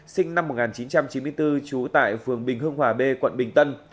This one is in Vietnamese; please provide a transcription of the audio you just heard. sinh năm một nghìn chín trăm chín mươi bốn trú tại phường bình hưng hòa b quận bình tân